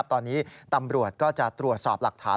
ตอนนี้ตำรวจก็จะตรวจสอบหลักฐาน